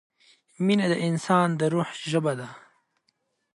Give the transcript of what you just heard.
مینه د انسان د روح ژبه ده.